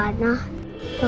aku sedih deh johana